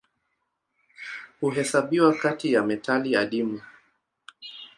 Huhesabiwa kati ya metali adimu.